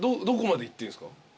どこまでいっていいんすか？